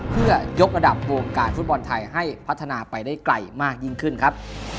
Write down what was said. เพื่อยกระดับวงการฟุตบอลไทยให้พัฒนาไปได้ไกลมากยิ่งขึ้นครับ